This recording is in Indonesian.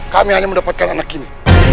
kami hanya mendapatkan anak ini